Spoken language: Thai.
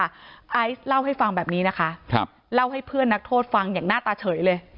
ไอซ์เล่าให้ฟังแบบนี้นะคะเล่าให้เพื่อนนักโทษฟังอย่างหน้าตาเฉยเลย